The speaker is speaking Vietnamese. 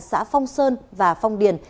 xã phong sơn và phong điền